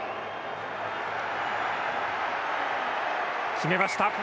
決めました！